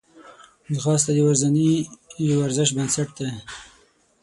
ځغاسته د ورځني ورزش بنسټ دی